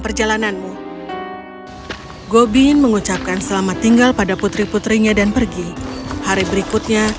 perjalananmu gobin mengucapkan selamat tinggal pada putri putrinya dan pergi hari berikutnya